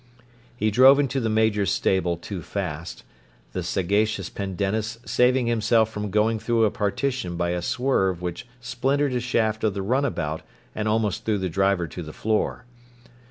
He drove into the Major's stable too fast, the sagacious Pendennis saving himself from going through a partition by a swerve which splintered a shaft of the runabout and almost threw the driver to the floor.